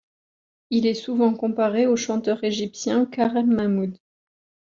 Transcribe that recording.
Il est souvent comparé au chanteur égyptien Karem Mahmoud.